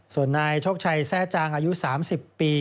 ส่วนนายโชคชัยแทร่จางอายุ๓๐ปี